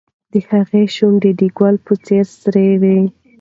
د هغې شونډې د ګل په څېر سرې وې.